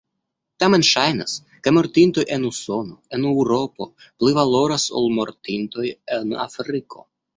Tamen ŝajnas, ke mortintoj en Usono, en Eŭropo pli valoras ol mortintoj en Afriko.